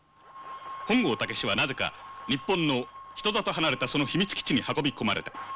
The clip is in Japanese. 本郷猛はなぜか日本の人里離れたその秘密基地に運び込まれた。